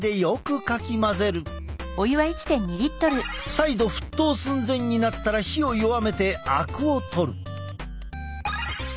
再度沸騰寸前になったら火を弱めてあくをとる。